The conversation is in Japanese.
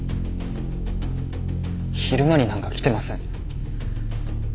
昼間になんか来てません。